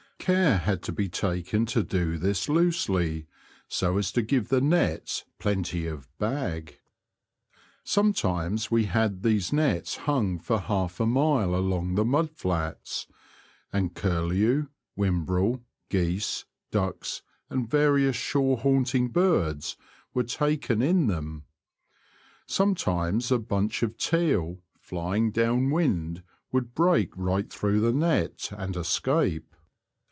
Care had to be taken to do this loosely, so as to give the nets plenty of '' bag." Sometimes we had these nets hung for half a mile along the mud flats, and curfew, whimbrel, geese, ducks, and various shore haunting birds were taken in them. Sometimes a bunch of teal, flying down wind, would break right through the net and escape.